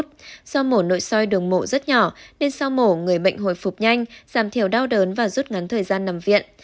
do mổ nội soi đường mộ rất nhỏ nên sau mổ người bệnh hồi phục nhanh giảm thiểu đau đớn và rút ngắn thời gian nằm viện